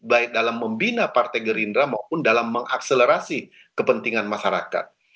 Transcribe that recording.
baik dalam membina partai gerindra maupun dalam mengakselerasi kepentingan masyarakat